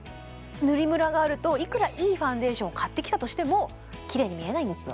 塗りムラがあるといくらいいファンデーションを買ってきたとしてもキレイに見えないんですよ